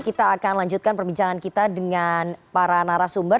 kita akan lanjutkan perbincangan kita dengan para narasumber